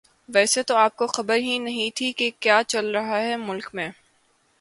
ویسے تو آپ کو خبر ہی نہیں تھی کہ کیا چل رہا ہے ملک میں